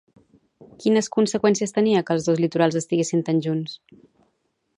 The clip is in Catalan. Quines conseqüències tenia que els dos litorals estiguessin tan junts?